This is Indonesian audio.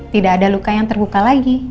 tidak ada luka yang terbuka lagi